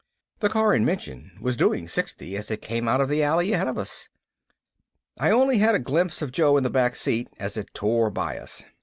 The car in mention was doing sixty as it came out of the alley ahead of us. I only had a glimpse of Joe in the back seat as it tore by us.